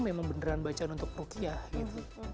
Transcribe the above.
memang beneran bacaan untuk rukiah gitu